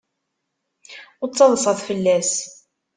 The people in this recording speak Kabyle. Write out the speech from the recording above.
Ur ttaḍsat fell-as.